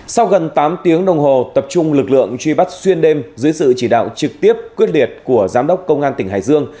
sau gần tám tiếng đồng hồ tập trung lực lượng truy bắt xuyên đêm dưới sự chỉ đạo trực tiếp quyết liệt của giám đốc công an tỉnh hải dương